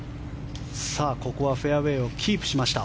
ここはフェアウェーをキープしました。